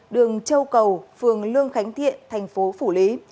đường châu cầu phường lương khánh thiện thành phố phủ lý